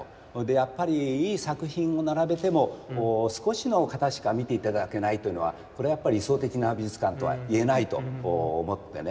やっぱりいい作品を並べても少しの方しか見ていただけないというのはこれやっぱり理想的な美術館とはいえないと思ってね。